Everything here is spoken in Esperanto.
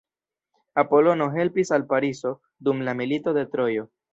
Apolono helpis al Pariso dum la Milito de Trojo.